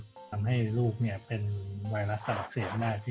ทำให้ลูกในวัยเวลาจะเป็นไวรัสตับอักเสบได้